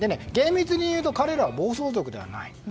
厳密にいうと彼らは暴走族ではない。